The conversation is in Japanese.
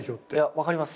分かります。